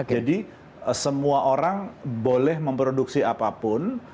jadi semua orang boleh memproduksi apapun